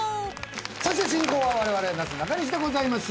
そして進行はわれわれなすなかにしでございます。